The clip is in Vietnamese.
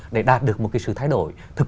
để đạt được một sự thay đổi